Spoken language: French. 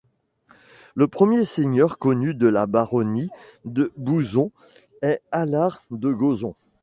Le premier seigneur connu de la baronnie de Gouzon est Alard de Goson.